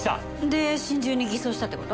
で心中に偽装したって事？